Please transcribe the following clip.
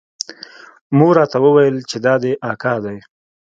مور راته وويل چې دا دې اکا دى.